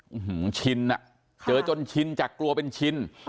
อื้อหือชินอะเจอจนชินจากกลัวเป็นชิน